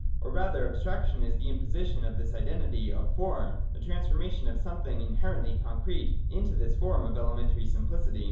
Or, rather, abstraction is the imposi tion of this Identity of form, the transformation of some thing inherently concrete into this form of elementary simplicity.